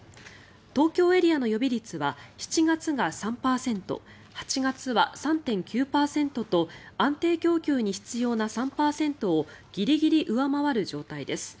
東京エリアの予備率は７月が３％８月は３．９％と安定供給に必要な３％をギリギリ上回る状態です。